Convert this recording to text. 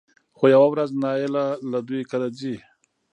خو يوه ورځ نايله له دوی کره ځي